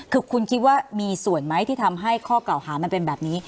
คือคุณคิดว่ามีส่วนไหมที่ทำให้ข้อเก่าหามันเป็นแบบนี้